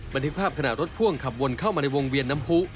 บันทึกภาพขณะรถพ่วงขับวนเข้ามาในวงเวียนน้ำผู้